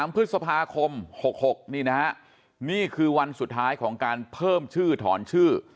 พฤษภาคม๖๖นี่นะฮะนี่คือวันสุดท้ายของการเพิ่มชื่อถอนชื่อ